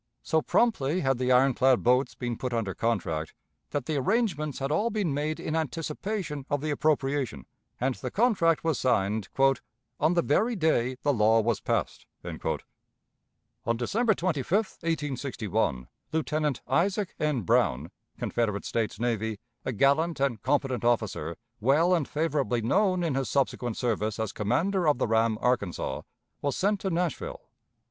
So promptly had the iron clad boats been put under contract, that the arrangements had all been made in anticipation of the appropriation, and the contract was signed "on the very day the law was passed." On December 25, 1861, Lieutenant Isaac N. Brown, Confederate States Navy, a gallant and competent officer, well and favorably known in his subsequent service as commander of the ram Arkansas, was sent to Nashville.